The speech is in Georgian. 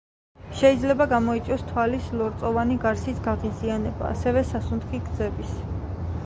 შეიძლება გამოიწვიოს თვალის ლორწოვანი გარსის გაღიზიანება, ასევე სასუნთქი გზების.